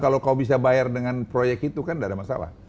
kalau kau bisa bayar dengan proyek itu kan tidak ada masalah